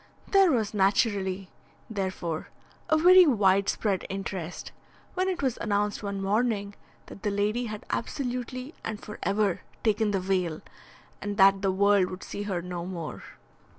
There was naturally, therefore, a very widespread interest when it was announced one morning that the lady had absolutely and for ever taken the veil, and that the world would see her no more.